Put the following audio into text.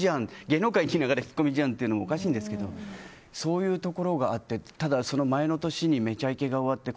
芸能界にいながら引っ込み思案ってのもおかしいんですけどそういうとこがあってただ、その前の年に「めちゃイケ」が終わって